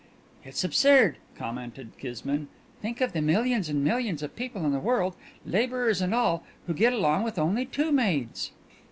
'" "It's absurd," commented Kismine "Think of the millions and millions of people in the world, labourers and all, who get along with only two maids."